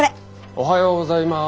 おはようございます。